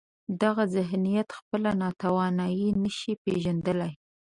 دغه ذهنیت خپله ناتواني نشي پېژندلای.